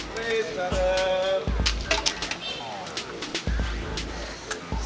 parah engga wak